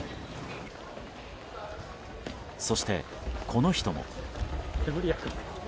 そして、この人も。